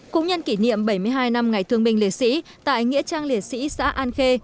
cũng nhân kỷ niệm bảy mươi hai năm ngày thương binh liệt sĩ tại nghĩa trang liệt sĩ xã an khê